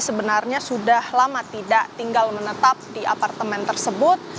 sebenarnya sudah lama tidak tinggal menetap di apartemen tersebut